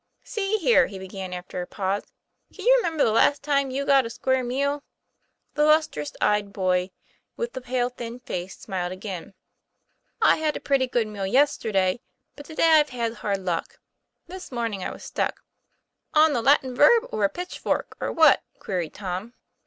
''See here," he began after a pause. "Can you remember the last time you got a square meal ?' The lustrous eyed boy with the pale, thin face smiled again. ' I had a pretty good meal yesterday. But to day I've had hard luck. This morning I was stuck." ;< On the Latin verb or a pitchfork, or what ?" queried Tom.